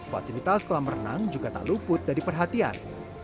fasilitas kolam renang juga tak luput dari perhatian